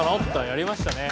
やりましたね。